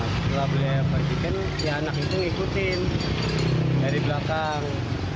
setelah beli ayam fried chicken si anak itu ngikutin dari belakang